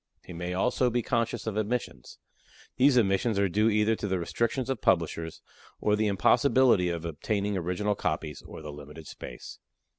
He may also be conscious of omissions. These omissions are due either to the restrictions of publishers, or the impossibility of obtaining original copies, or the limited space.